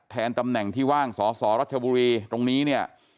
ตำแหน่งที่ว่างสอสอรัชบุรีตรงนี้เนี่ย